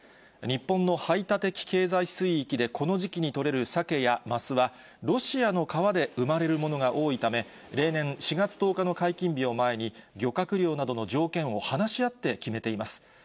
日本の排他的経済水域でこの時期に取れるサケやマスは、ロシアの川で生まれるものが多いため、例年、４月１０日の解禁日を前に、漁獲量などの条件を話し合って決めています。